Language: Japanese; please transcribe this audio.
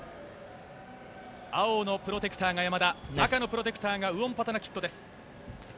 青のプロテクターが山田赤のプロテクターがウオンパタナキットです。